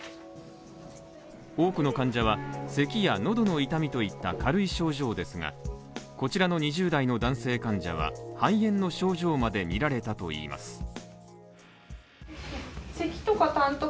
多くの患者はせきや喉の痛みといった軽い症状ですが、こちらの２０代の男性患者は肺炎の症状まで見られたといいます。